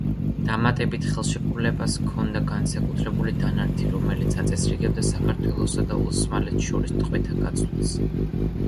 დამატებით ხელშეკრულებას ჰქონდა განსაკუთრებული დანართი, რომელიც აწესრიგებდა საქართველოსა და ოსმალეთს შორის ტყვეთა გაცვლას.